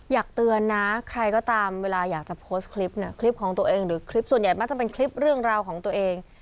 อยากเตือนนะใครก็ตามเวลาอยากจะโพสต์คลิปเนี่ยคลิปของตัวเองหรือคลิปส่วนใหญ่มักจะเป็นคลิปเรื่องราวของตัวเอง